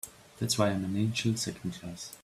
That's why I'm an angel Second Class.